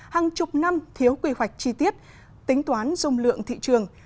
hàng chục năm thiếu quy hoạch chi tiết tính toán dung lượng thị trường